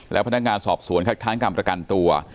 แล้วพนักงานสอบสวนคัดค้านการประกันตัว